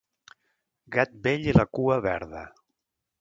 Gat vell i la cua verda.